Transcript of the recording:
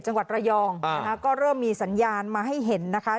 จังหวัดระยองนะคะก็เริ่มมีสัญญาณมาให้เห็นนะคะ